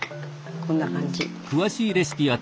こんな感じ。